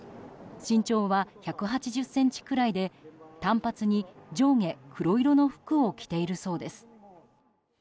身長は１８０ｃｍくらいで短髪に上下黒色の服を着ているそうです。